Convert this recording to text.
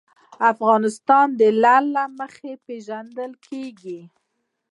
افغانستان د لعل له مخې پېژندل کېږي.